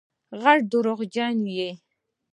غټ دروغجن یې